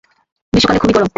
গ্রীষ্মকালে খুবই গরম!